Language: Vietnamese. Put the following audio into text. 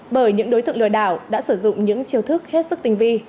bởi những đối tượng lừa đảo đã sử dụng những chiêu thức hết sức tinh vi